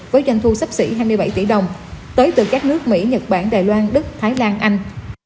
với doanh thu sấp xỉ hai mươi bảy tỷ đồng tới từ các nước mỹ nhật bản đài loan đức thái lan anh